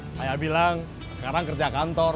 saya bilang sekarang kerja kantor